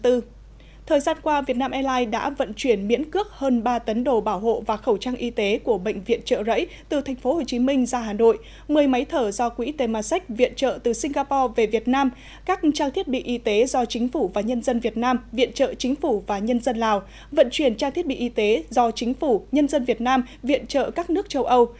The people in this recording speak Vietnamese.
thời gian qua vietnam airlines đã vận chuyển miễn cước hơn ba tấn đồ bảo hộ và khẩu trang y tế của bệnh viện trợ rẫy từ tp hcm ra hà nội một mươi máy thở do quỹ temasek viện trợ từ singapore về việt nam các trang thiết bị y tế do chính phủ và nhân dân việt nam viện trợ chính phủ và nhân dân lào vận chuyển trang thiết bị y tế do chính phủ nhân dân việt nam viện trợ các nước châu âu